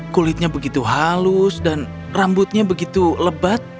kulitnya begitu halus dan rambutnya begitu lebat